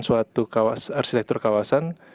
suatu arsitektur kawasan